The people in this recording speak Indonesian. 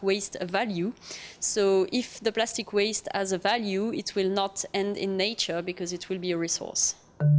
jadi jika keuntungan plastik ada nilai itu tidak akan berakhir di alam semesta karena akan menjadi sumber